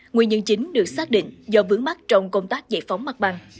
nguyên nhân chính được xác định do vướng mắt trong công tác giải phóng mặt bằng